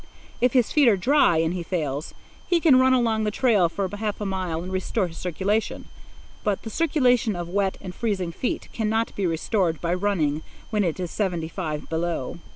If his feet are dry, and he fails, he can run along the trail for half a mile and restore his circulation. But the circulation of wet and freezing feet cannot be restored by running when it is seventy five below.